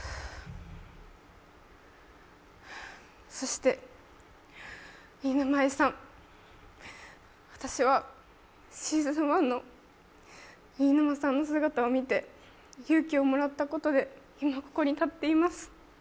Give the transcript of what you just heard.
そして、飯沼愛さん、私は「ｓｅａｓｏｎ１」の飯沼さんの姿を見て勇気をもらったことで今、ここに立っています。